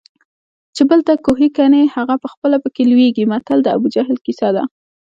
چې بل ته کوهي کني هغه پخپله پکې لویږي متل د ابوجهل کیسه ده